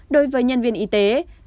đối với nhân viên y tế